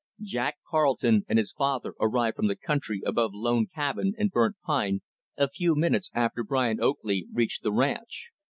Jack Carleton and his father arrived from the country above Lone Cabin and Burnt Pine, a few minutes after Brian Oakley reached the ranch.